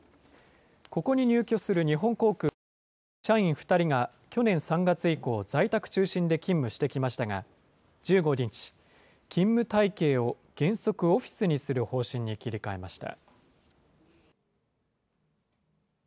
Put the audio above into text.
ここに入居する日本航空は、社員２人が去年３月以降、在宅中心で勤務してきましたが、１５日、勤務体系を原則オフィスにする方針に切り替えました。